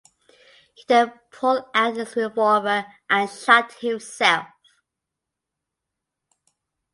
He then pulled out his revolver and shot himself.